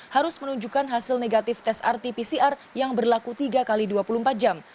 harus menunjukkan hasil negatif tes rt pcr yang berlaku tiga x dua puluh empat jam